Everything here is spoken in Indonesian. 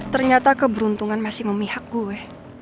ternyata keberuntungan masih memihak gue